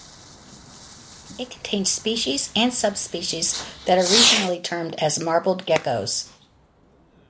It contains species and subspecies that are regionally termed as marbled geckos.